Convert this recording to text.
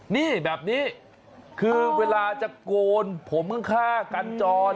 นี่แบบนี้คือเวลาจะโกนผมข้างกันจร